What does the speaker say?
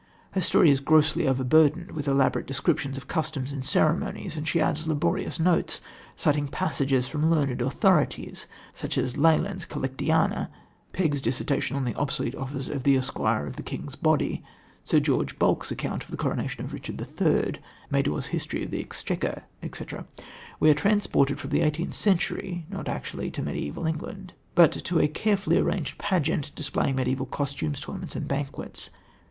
Her story is grievously overburdened with elaborate descriptions of customs and ceremonies, and she adds laborious notes, citing passages from learned authorities, such as Leland's Collectanea, Pegge's dissertation on the obsolete office of Esquire of the King's Body, Sir George Bulke's account of the coronation of Richard III., Mador's History of the Exchequer, etc. We are transported from the eighteenth century, not actually to mediaeval England, but to a carefully arranged pageant displaying mediaeval costumes, tournaments and banquets.